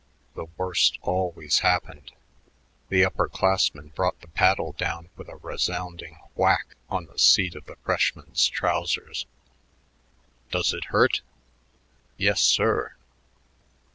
The worst always happened. The upper classman brought the paddle down with a resounding whack on the seat of the freshman's trousers. "Does it hurt?" "Yes, sir."